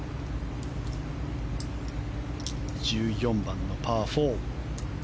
１４番のパー４。